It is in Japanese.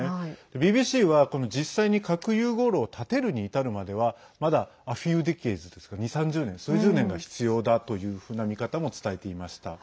ＢＢＣは、実際に核融合炉を建てるに至るまではまだＡｆｅｗｄｅｃａｄｅｓ２０３０年、数十年が必要だというふうな見方も伝えていました。